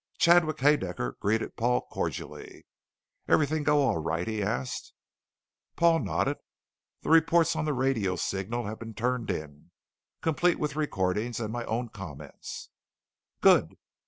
Chadwick Haedaecker greeted Paul cordially. "Everything go all right?" he asked. Paul nodded. "The reports on the radio signal have been turned in, complete with recordings and my own comments." "Good."